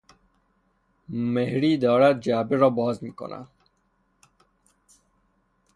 مهری دارد جعبه را باز میکند.